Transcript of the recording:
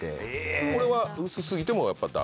これは薄すぎてもやっぱだめ？